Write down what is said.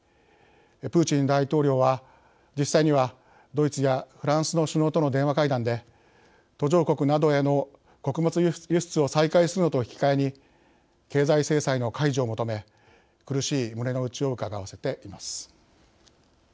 プーチン大統領は、実際にはドイツやフランスの首脳との電話会談で、途上国などへの穀物輸出を再開するのと引き換えに経済制裁の解除を求め苦しい胸の内をうかがわせています。